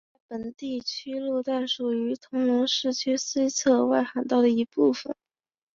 该道路在本地区路段属于铜锣市区西侧外环道的一部分。